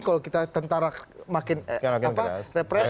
kalau kita tentara makin represi